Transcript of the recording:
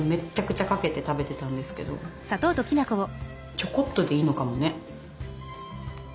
ちょこっとでいいのかもね。